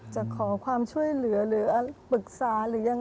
จะขอความช่วยเหลือหรือปรึกษาหรือยัง